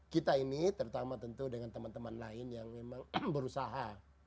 kita ini terutama tentu dengan teman teman lain yang memang berusaha